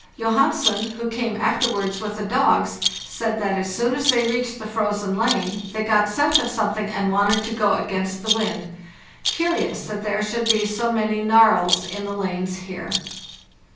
Johansen, who came afterwards with the dogs, said that as soon as they reached the frozen lane they got scent of something and wanted to go against the wind. Curious that there should be so many nar whals in the lanes here.